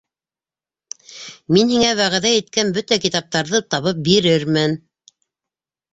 Мин һиңә вәғәҙә иткән бөтә китаптарҙы табып бирермен.